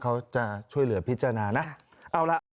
เขาจะช่วยเหลือพิจารณานะ